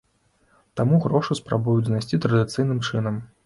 Таму грошы спрабуюць знайсці традыцыйным чынам.